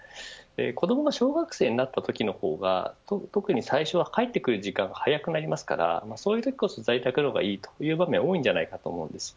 子どもが小学生になったときの方が特に最初は帰ってくる時間が早くなりますからそういうときこそ、在宅の方がいいという場面は多いと思います。